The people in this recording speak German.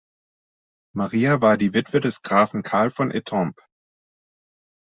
Maria war die Witwe des Grafen Karl von Étampes.